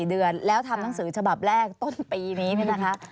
เดือนแล้วทำหนังสือฉบับแรกต้นปีนี้เนี่ยนะคะ